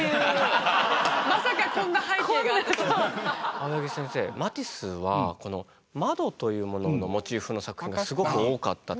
青柳先生マティスはこの窓というもののモチーフの作品がすごく多かったと。